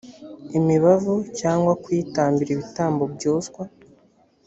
imibavu cyangwa kuyitambira ibitambo byoswa